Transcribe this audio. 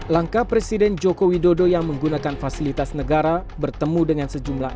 langkah presiden joko widodo yang menggunakan fasilitas negara bertemu dengan sejumlah